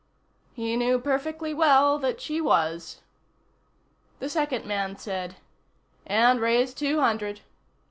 _ He knew perfectly well that she was. The second man said: "And raise two hundred."